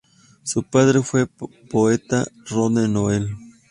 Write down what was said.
Su padre fue el poeta Roden Noel.